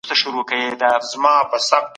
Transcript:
هيڅوک يې موږ ته نه جوړوي.